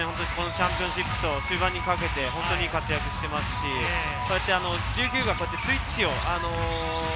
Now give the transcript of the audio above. チャンピオンシップと終盤にかけていい活躍をしていますし、琉球がスイッチを。